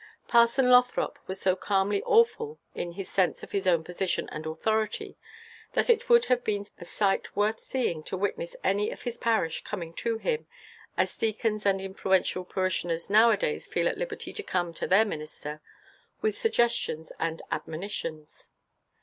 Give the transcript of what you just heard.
Parson Lothrop was so calmly awful in his sense of his own position and authority, that it would have been a sight worth seeing to witness any of his parish coming to him, as deacons and influential parishioners now a days feel at liberty to come to their minister, with suggestions and admonitions.